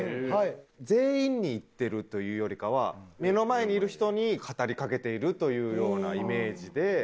全員に言ってるというよりかは目の前にいる人に語りかけているというようなイメージで。